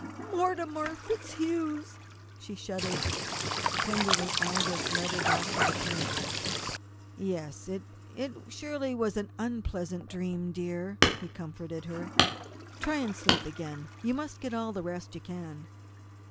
"Mortimer FitzHugh's," she shuddered. Tenderly Aldous led her back to the tent. "Yes, it was surely an unpleasant dream, dear," he comforted her. "Try and sleep again. You must get all the rest you can."